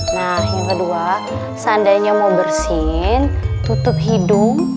nah yang kedua seandainya mau bersin tutup hidung